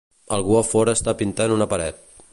Algú a fora està pintant una paret.